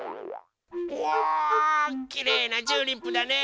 うわきれいなチューリップだね！